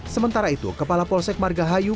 sementara itu kepala polsek margahayu